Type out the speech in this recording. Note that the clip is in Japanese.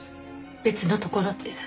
別のところって？